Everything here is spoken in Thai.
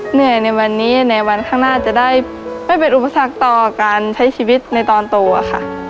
เหนื่อยในวันนี้ในวันข้างหน้าจะได้ไม่เป็นอุปสรรคต่อการใช้ชีวิตในตอนโตค่ะ